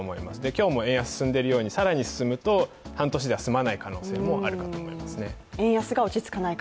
今日も円安が進んでいるように更に進むと、半年では済まない可能性もあると思いますね。